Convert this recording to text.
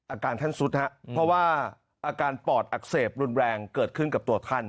อาการท่านสุดฮะเพราะว่าอาการปอดอักเสบรุนแรงเกิดขึ้นกับตัวท่าน